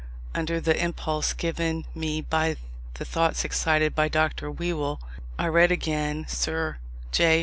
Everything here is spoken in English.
Under the impulse given me by the thoughts excited by Dr. Whewell, I read again Sir J.